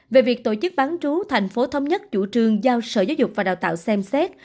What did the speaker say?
về việc tổ chức bán trú tp hcm chủ trường giao sở giáo dục và đào tạo xem xét